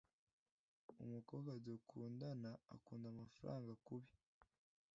Umukobwa dukundana akunda amafaranga kubi